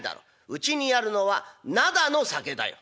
うちにあるのは灘の酒だよ」。